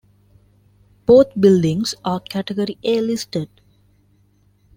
Both buildings are Category A listed.